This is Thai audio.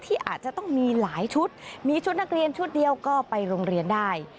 อาจจะต้องมีหลายชุดมีชุดนักเรียนชุดเดียวก็ไปโรงเรียนได้